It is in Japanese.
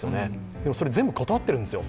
でも、それを全部断っているんですよ。